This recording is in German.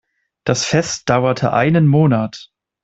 Das Fest dauerte einen Monat.